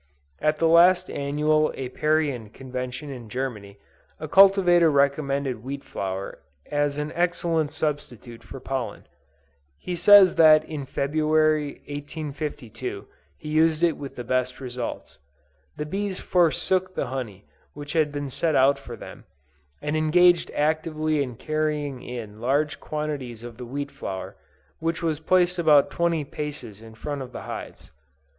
At the last annual Apiarian Convention in Germany, a cultivator recommended wheat flour as an excellent substitute for pollen. He says that in February, 1852, he used it with the best results. The bees forsook the honey which had been set out for them, and engaged actively in carrying in large quantities of the wheat flour, which was placed about twenty paces in front of the hives.